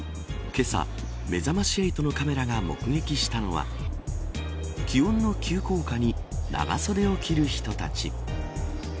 けさ、めざまし８のカメラが目撃したのは気温の急降下に長袖を着る人たち。